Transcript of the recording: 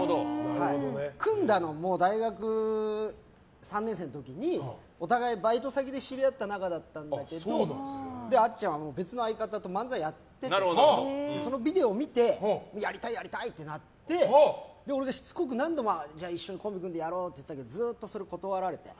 組んだのも、大学３年生の時にお互い、バイト先で知り合った仲だったんだけどあっちゃんは別の相方と漫才をやっててそのビデオを見てやりたいってなって俺がしつこく何度も一緒にコンビ組んでやろうって言ってたけどずっとそれを断られて。